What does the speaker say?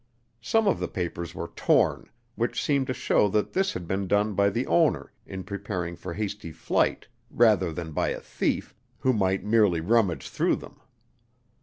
Some of the papers were torn, which seemed to show that this had been done by the owner in preparing for hasty flight rather than by a thief, who would merely rummage through them.